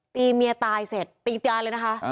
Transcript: ตีเมียตายเสร็จตีอีกตีอันเลยนะคะ